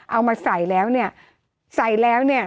เอามาใส่แล้วเนี่ยใส่แล้วเนี่ย